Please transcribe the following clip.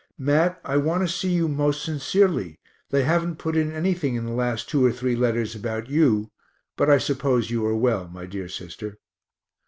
Mat, I want to see you most sincerely they haven't put in anything in the last two or three letters about you, but I suppose you are well, my dear sister.